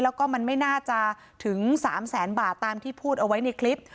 แล้วก็มันไม่น่าจะถึง๓แสนบาทตามที่พูดเอาไว้ในคลิป